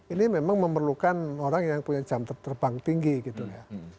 ini memang memerlukan orang yang punya jam terbang tinggi gitu ya